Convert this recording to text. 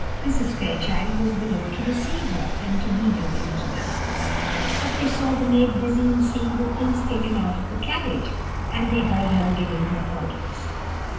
Mrs. Fairchild was below to receive her, and to lead her into the house: but they saw the maid busy in seeing the things taken out of the carriage, and they heard her giving her orders.